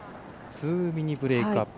２ミニブレークアップ。